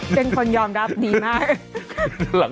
เป็นคนยอมรับดีมาก